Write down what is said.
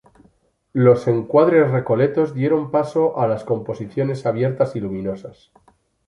Los encuadres recoletos dieron paso a las composiciones abiertas y luminosas.